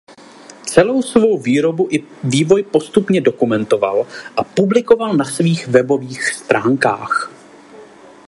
Celou svou výrobu i vývoj postupně dokumentoval a publikoval na svých webových stránkách.